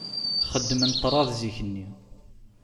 Xedmen ṭrad zik-nni.